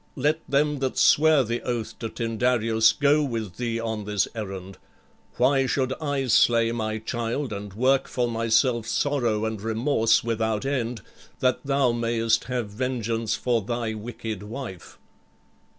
Let them that sware the oath to Tyndareus go with thee on this errand. Why should I slay my child and work for myself sorrow and remorse without end that thou mayest have vengeance for thy wicked wife?"